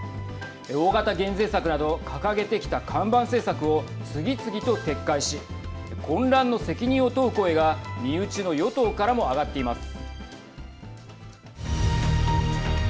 大型減税策など掲げてきた看板政策を次々と撤回し混乱の責任を問う声が身内の与党からも上がっています。